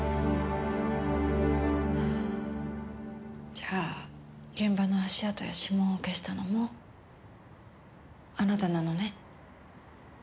じゃあ現場の足跡や指紋を消したのもあなたなのね？